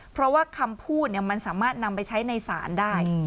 เพราะว่าคำพูดมันสามารถนำไปใช้ในศาลได้